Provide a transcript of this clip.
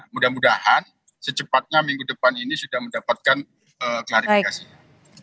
mudah mudahan secepatnya minggu depan ini sudah mendapatkan klarifikasinya